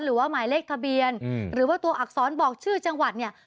หมายเลขทะเบียนหรือว่าตัวอักษรบอกชื่อจังหวัดเนี่ย